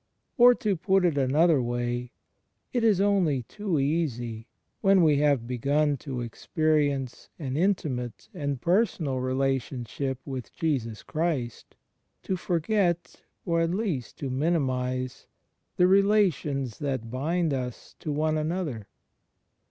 Or, to put it another way, it is only too easy, when we have begun to experience an intimate and personal relation ship with Jesus Christ, to forget, or at least to minimize, the relations that bind us to one another.